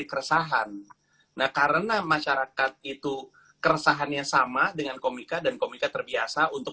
keresahan nah karena masyarakat itu keresahannya sama dengan komika dan komika terbiasa untuk